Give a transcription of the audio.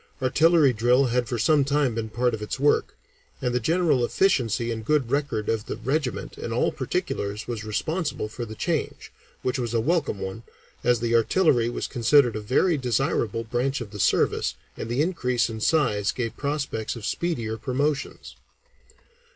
Artillery drill had for some time been part of its work, and the general efficiency and good record of the regiment in all particulars was responsible for the change, which was a welcome one, as the artillery was considered a very desirable branch of the service, and the increase in size gave prospects of speedier promotions.